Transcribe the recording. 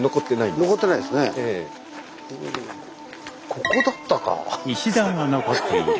ここだったか。